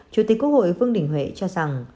chủ tịch quốc hội vương đình huệ cho rằng